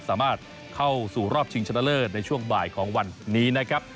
สามารถเข้าสู่รอบชิงชนะเลิศในช่วงบ่ายของวันนี้นะครับ